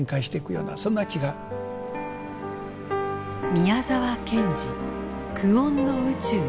「宮沢賢治久遠の宇宙に生きる」。